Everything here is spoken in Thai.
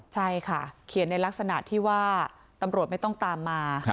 ใช่ค่ะเขียนในลักษณะที่ว่าตำรวจไม่ต้องตามมา